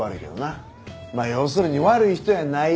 まあ要するに「悪い人やない」いう事や。